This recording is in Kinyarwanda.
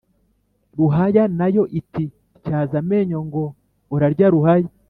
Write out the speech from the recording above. » ruhaya na yo iti «tyaza amenyo ngo uzarya ruhaya.\